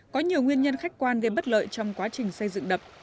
có nhiều nguyên nhân khách quan gây bất lợi trong quá trình xây dựng đập